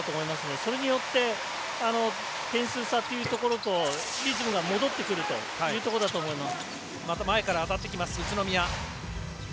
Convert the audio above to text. それによって点数差というところとリズムが戻ってくるというところだと思います。